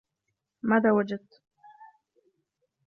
ماذا وجدت؟